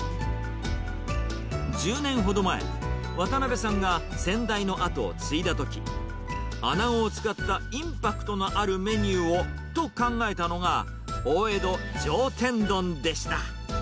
１０年ほど前、渡辺さんが先代の跡を継いだとき、アナゴを使ったインパクトのあるメニューをと考えたのが、大江戸上天丼でした。